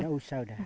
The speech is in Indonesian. enggak usah udah